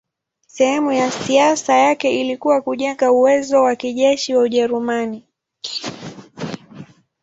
Sehemu ya siasa yake ilikuwa kujenga uwezo wa kijeshi wa Ujerumani.